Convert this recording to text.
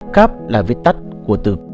carb là viết tắt của từ carbon hydrate